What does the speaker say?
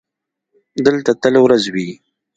دلته تل ورځ وي.